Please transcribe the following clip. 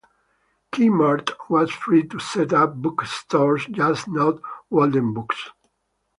K-Mart was free to set up bookstores, just not Waldenbooks.